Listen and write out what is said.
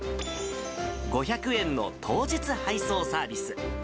５００円の当日配送サービス。